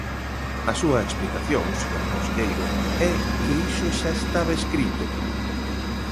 A súa explicación, señor conselleiro, é que iso xa estaba escrito.